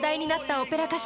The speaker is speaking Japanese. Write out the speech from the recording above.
オペラ歌手